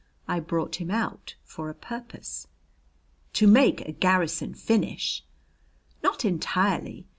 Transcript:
I brought him out for a purpose." "To make a Garrison finish!" "Not entirely.